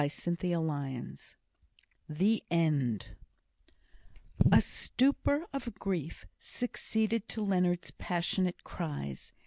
CHAPTER XXXVI The End A stupor of grief succeeded to Leonard's passionate cries.